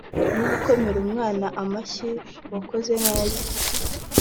nko gukomera umwana amashyi wakoze neza